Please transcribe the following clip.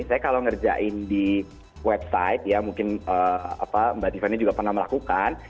saya kalau ngerjain di website ya mungkin mbak tiffany juga pernah melakukan